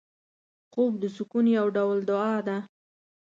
خوب د سکون یو ډول دعا ده